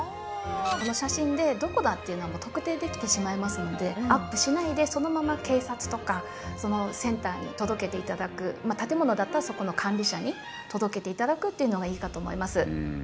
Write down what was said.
写真でどこだっていうのが特定できてしまいますのでアップしないでそのまま警察とかそのセンターに届けていただく建物だったらそこの管理者に届けていただくっていうのがいいかと思います。